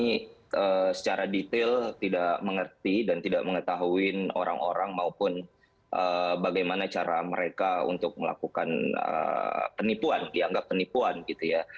jadi kami secara detail tidak mengerti dan tidak mengetahuin orang orang maupun bagaimana cara mereka untuk melakukan penipuan dianggap penipuan gitu ya